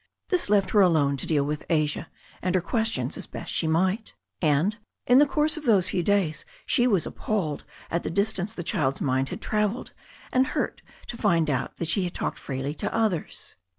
This left her alone to deal with Asia and her questions as best she might. And in the course of those few days she was appalled at the distance the child's mind had travelled, and hurt to find out that she had talked freely to others.